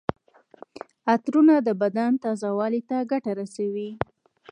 عطرونه د بدن تازه والي ته ګټه رسوي.